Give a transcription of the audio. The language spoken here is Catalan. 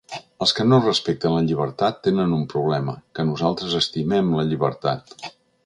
Els que no respecten la llibertat, tenen un problema, que nosaltres estimem la llibertat.